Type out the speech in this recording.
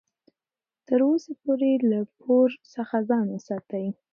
تر وسې پورې له پور څخه ځان وساتئ.